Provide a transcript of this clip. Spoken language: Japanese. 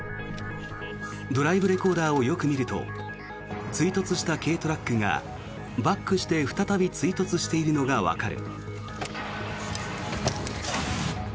ドライブレコーダーをよく見ると追突した軽トラックがバックして再び追突しているのがわかる。